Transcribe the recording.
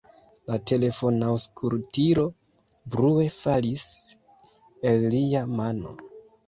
La telefonaŭskultilo brue falis el lia mano.